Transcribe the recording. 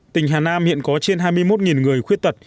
tỉnh hà nam hiện có trên hai mươi một khách hàng